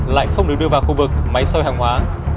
lại không được đưa vào khu vực máy soi hàng hóa